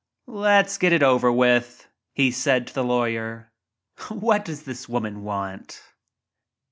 "Let's get it over with," he said to the lawyer. "What does this woman want?"